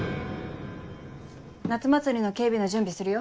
夏祭りの警備の準備するよ。